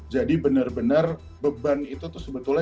jadi benar benar beban itu tuh sebetulnya